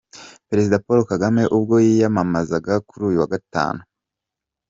Perezida Paul Kagame ubwo yiyamamazaga kuri uyu wa Gatanu.